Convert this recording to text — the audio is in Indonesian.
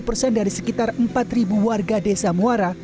tiga puluh persen dari sekitar empat warga desa muara